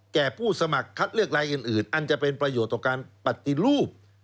ผู้สมัครคัดเลือกรายอื่นอันจะเป็นประโยชน์ต่อการปฏิรูป